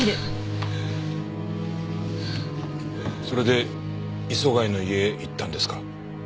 それで磯貝の家へ行ったんですか？